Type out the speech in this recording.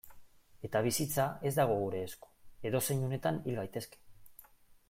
Eta bizitza ez dago gure esku, edozein unetan hil gaitezke.